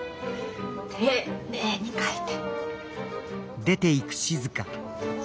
丁寧に書いて。